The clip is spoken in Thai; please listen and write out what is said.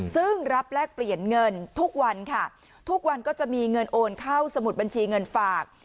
ซึ่งรับแลกเปลี่ยนเงินทุกวันค่ะทุกวันก็จะมีเงินโอนเข้าสมุดบัญชีเงินฝาก